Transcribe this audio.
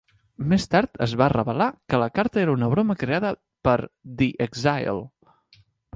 Més tard es va revelar que la carta era una broma creada per "The eXile".